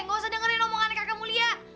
gak usah dengerin omongan kakek mulia